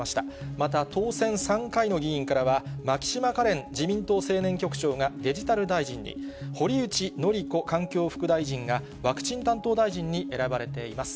また当選３回の議員からは、牧島かれん自民党青年局長がデジタル大臣に、堀内詔子環境副大臣がワクチン担当大臣に選ばれています。